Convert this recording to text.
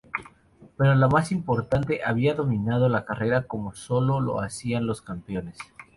Pero lo más importante, había dominado la carrera como solo lo hacían los campeones.